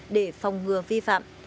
để phòng ngừa vi phạm